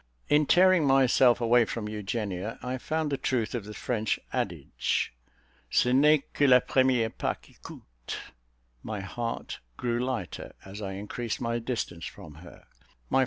In tearing myself away from Eugenia, I found the truth of the French adage, "Ce n'est que la première pas qui coûte;" my heart grew lighter as I increased my distance from her.